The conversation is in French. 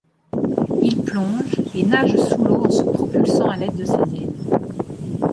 Il plonge, et nage sous l'eau en se propulsant à l'aide de ses ailes.